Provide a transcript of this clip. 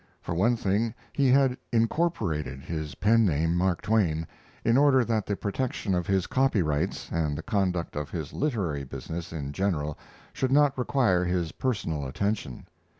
For one thing, he had incorporated his pen name, Mark Twain, in order that the protection of his copyrights and the conduct of his literary business in general should not require his personal attention.